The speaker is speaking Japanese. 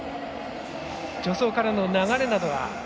助走からの流れなどは？